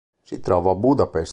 Si trova a Budapest.